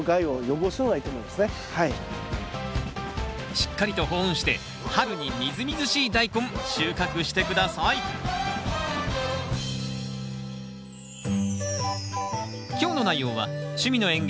しっかりと保温して春にみずみずしいダイコン収穫して下さい今日の内容は「趣味の園芸やさいの時間」